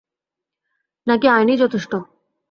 নাকি আইনই যথেষ্ট?